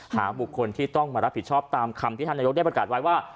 หาบุคคลที่ต้องมารับผิดชอบตามคำที่ท่านนายกได้ประกาศไว้ว่า